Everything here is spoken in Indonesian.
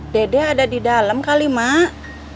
dede ada di dalam kali mak